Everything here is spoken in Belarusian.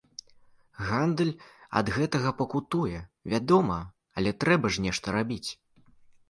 Гандаль ад гэтага пакутуе, вядома, але трэба ж нешта рабіць!